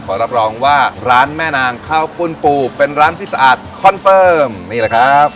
รับรองว่าร้านแม่นางข้าวปุ้นปูเป็นร้านที่สะอาดคอนเฟิร์มนี่แหละครับ